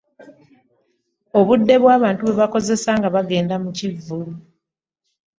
obudde bw'abantu bwe bakozesa nga bagenda mu kivvulu.